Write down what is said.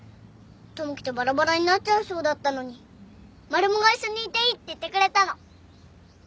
友樹とばらばらになっちゃいそうだったのにマルモが「一緒にいていい」って言ってくれたの。